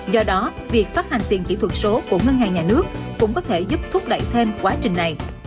do đó việc phát hành tiền kỹ thuật số của ngân hàng nhà nước cũng có thể giúp thúc đẩy thêm quá trình này